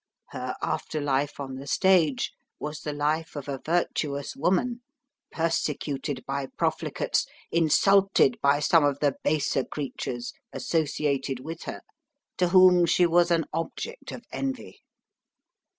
Her after life on the stage was the life of a virtuous woman, persecuted by profligates, insulted by some of the baser creatures associated with her, to whom she was an object of envy.